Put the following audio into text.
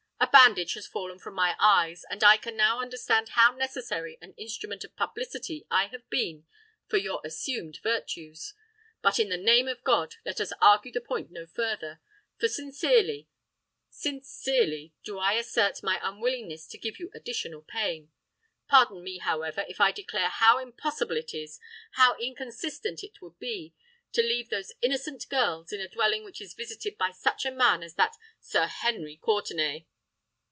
A bandage has fallen from my eyes—and I can now understand how necessary an instrument of publicity I have been for your assumed virtues. But, in the name of God! let us argue the point no further; for sincerely—sincerely do I assert my unwillingness to give you additional pain. Pardon me, however, if I declare how impossible it is—how inconsistent it would be—to leave those innocent girls in a dwelling which is visited by such a man as that Sir Henry Courtenay."